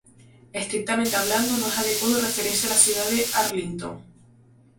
Estrictamente hablando, no es adecuado referirse a la ciudad de Arlington.